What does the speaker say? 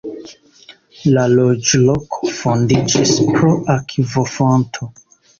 La loĝloko fondiĝis pro akvofonto.